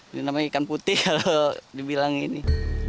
ini namanya ikan putih kalau dibilang ini